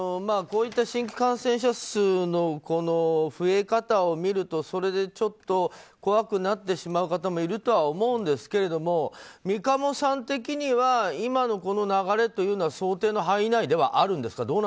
新規感染者数の増え方を見ると怖くなってしまう方もいるかと思うんですが三鴨さん的には今の流れというのは想定の範囲内ではあるんですか？